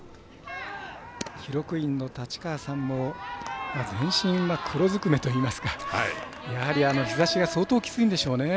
記録員の刀川さん全身、黒ずくめとやはり日ざしが相当きついんでしょうね。